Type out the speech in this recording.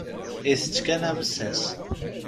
Itett kan amessas.